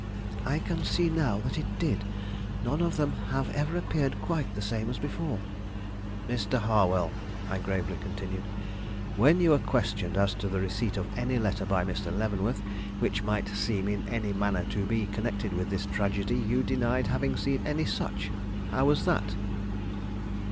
"I can see now that it did. None of them have ever appeared quite the same as before." "Mr. Harwell," I gravely continued; "when you were questioned as to the receipt of any letter by Mr. Leavenworth, which might seem in any manner to be connected with this tragedy, you denied having seen any such; how was that?"